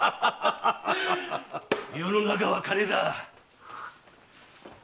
世の中は金だ！